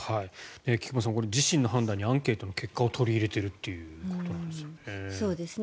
菊間さん、自身の判断にアンケートの結果を取り入れてるということなんですね。